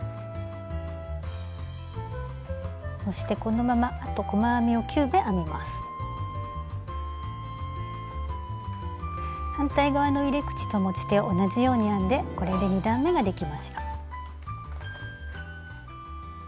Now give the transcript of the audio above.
そしてこのまま反対側の入れ口と持ち手を同じように編んでこれで２段めができました。